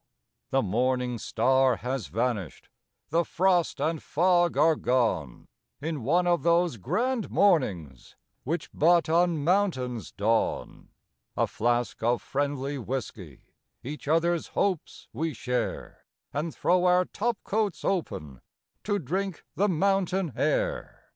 The morning star has vanished, the frost and fog are gone, In one of those grand mornings which but on mountains dawn; A flask of friendly whisky each other's hopes we share And throw our top coats open to drink the mountain air.